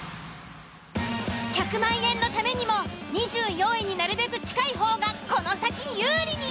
１００万円のためにも２４位になるべく近い方がこの先有利に。